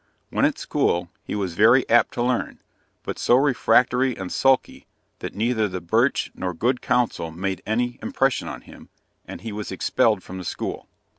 When at school, he was very apt to learn, but so refractory and sulky, that neither the birch nor good counsel made any impression on him, and he was expelled from the school.